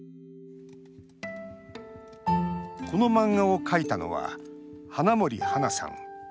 この漫画を描いたのは花森はなさん。